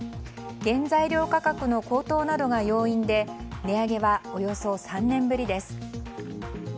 原材料価格の高騰などが要因で値上げはおよそ３年ぶりです。